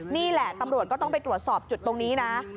นี่แหละตำรวจก็ต้องไปตรวจสอบจุดตรงนี้นะ